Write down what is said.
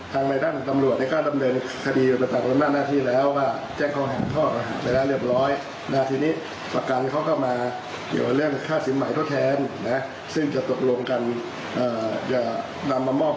ทำสำนวนแล้วจะมีเปลี่ยนสำนวนซักอย่าง